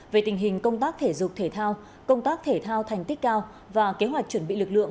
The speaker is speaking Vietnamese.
về tình hình công tác thể dục thể thao công tác thể thao thành tích cao và kế hoạch chuẩn bị lực lượng